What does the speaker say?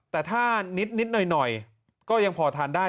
แต่ถ้านิดหน่อยก็ยังพอทานได้